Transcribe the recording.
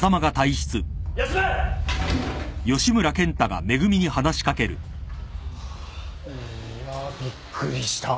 休め！いやびっくりした。